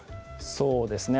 そうですね